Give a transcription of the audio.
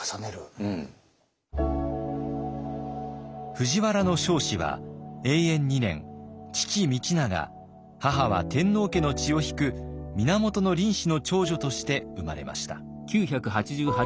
藤原彰子は永延二年父道長母は天皇家の血を引く源倫子の長女として生まれました。